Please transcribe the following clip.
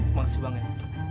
emang sih banget